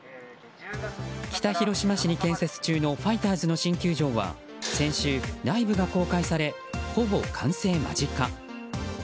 北広島市に建設中のファイターズの新球場は先週、内部が公開されほぼ完成間近。